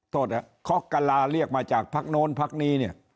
โทษค็อกกะลาเรียกมาจากพักโน้นพักนี้เนี่ย